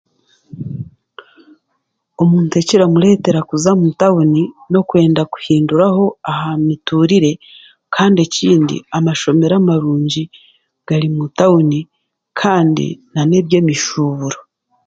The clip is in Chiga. Omuntu ekiramuretera kuza omu tawuni n'okwenda kuhinduraho aha'miturire kandi ekindi amashomero amarungi gari mu tawuni kandi n'aneby'emishuburo.